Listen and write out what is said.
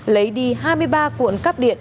lấy đi hai mươi ba cuộn cắp điện